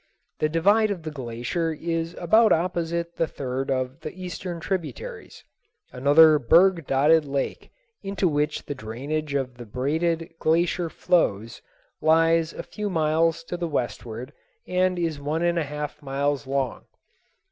The divide of the glacier is about opposite the third of the eastern tributaries. Another berg dotted lake into which the drainage of the Braided Glacier flows, lies a few miles to the westward and is one and a half miles long.